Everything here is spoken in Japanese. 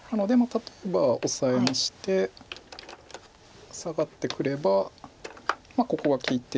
例えばオサえましてサガってくればここが利いて。